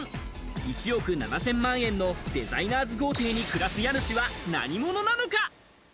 １億７０００万円のデザイナーズ豪邸に暮らす家主は何者なのか？